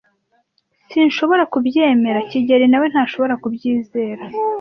S Sinshobora kubyemera. kigeli nawe ntashobora kubyizera.